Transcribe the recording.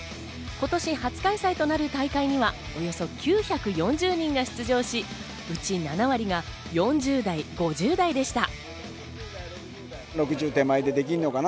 今年、初開催となる大会にはおよそ９４０人が出場し、うち７割が４０代、５０代でした。